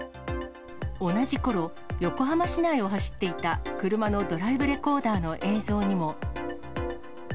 同じころ、横浜市内を走っていた車のドライブレコーダーの映像にも。